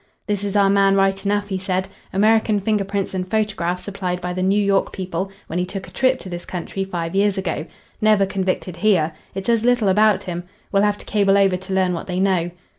"This is our man right enough," he said. "American finger prints and photograph supplied by the New York people when he took a trip to this country five years ago. Never convicted here. It says little about him. We'll have to cable over to learn what they know."